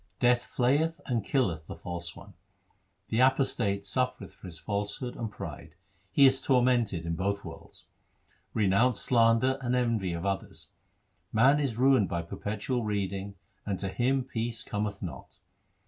1 Death flayeth and killeth the false one : 2 The apostate suffereth for his falsehood and pride ; he is tormented in both worlds. Renounce slander and envy of others. Man is ruined by perpetual reading, and to him peace cometh not.